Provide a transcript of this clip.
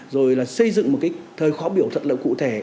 rồi là xây dựng một cái thời khó biểu thật lượng cụ thể